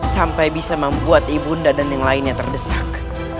sampai bisa membuat ibu nda dan yang lainnya terdesak